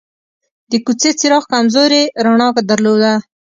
د کوڅې څراغ کمزورې رڼا درلوده.